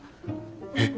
えっ！？